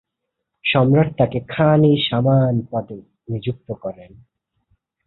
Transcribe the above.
সম্রাট তাঁকে খান-ই-সামান পদে নিযুক্ত করেন।